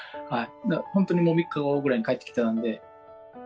本当に３日後ぐらいに帰ってきたんで。